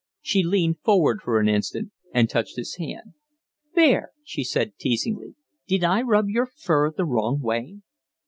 She leaned forward for an instant and touched his hand. "Bear!" she said, teasingly. "Did I rub your fur the wrong way?"